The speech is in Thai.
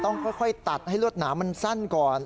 ต้องค่อยตัดให้ลวดหนามมันสั้นก่อน